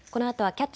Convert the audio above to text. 「キャッチ！